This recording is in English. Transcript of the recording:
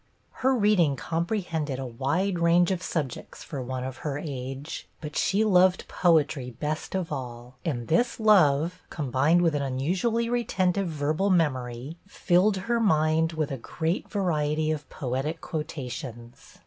Her reading comprehended a wide range of subjects for one of her age ; but she loved poetry best of all, and this love, combined with an unusually retentive verbal memory, filled her mind with a great variety of poetic quotations.